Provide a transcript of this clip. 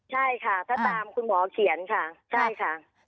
ใช่ค่ะถ้าตามคุณหมอเขียนค่ะใช่ค่ะ